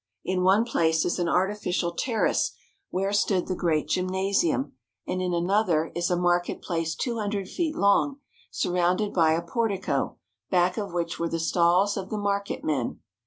In one place is an artificial terrace where stood the great gymnasium, and in another is a market place two hundred feet long, surrounded by a portico, back of which were the stalls of the marketmen.